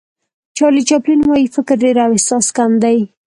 چارلي چاپلین وایي فکر ډېر او احساس کم دی.